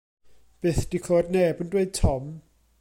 Byth 'di clywed neb yn dweud tom.